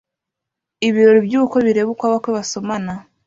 Ibirori byubukwe bireba uko abakwe basomana